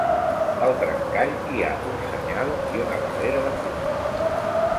Al trencall hi ha un senyal i una barrera de fusta.